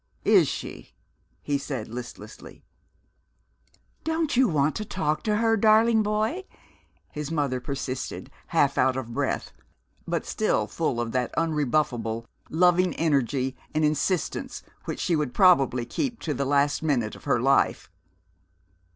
"Is she?" he said listlessly. "Don't you want to talk to her, darling boy?" his mother persisted, half out of breath, but still full of that unrebuffable, loving energy and insistence which she would probably keep to the last minute of her life.